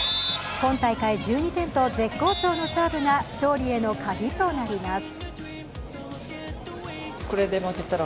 今大会１２点と絶好調のサーブが勝利への鍵となります。